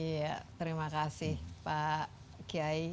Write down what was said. iya terima kasih pak kiai